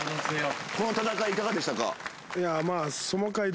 この戦いいかがでしたか？